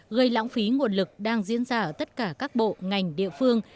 gây lãng phí nguồn lực đang diễn ra ở tất cả các bộ ngành địa phương